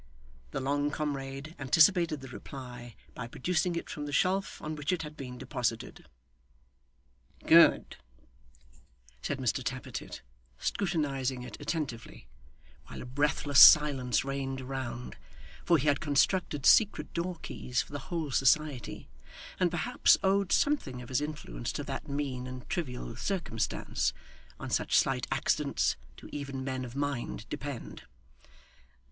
The long comrade anticipated the reply, by producing it from the shelf on which it had been deposited. 'Good,' said Mr Tappertit, scrutinising it attentively, while a breathless silence reigned around; for he had constructed secret door keys for the whole society, and perhaps owed something of his influence to that mean and trivial circumstance on such slight accidents do even men of mind depend!